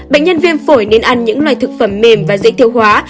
bệnh nhân viêm phổi nên ăn những loài thực phẩm mềm và dễ thiêu hóa